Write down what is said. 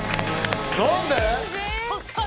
何で？